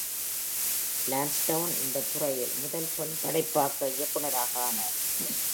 Lansdowne இந்த துறையில் முதல் பெண் படைப்பாக்க இயக்குநராக ஆனார்.